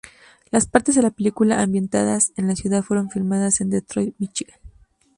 Las partes de la película ambientadas en la ciudad fueron filmadas en Detroit, Michigan.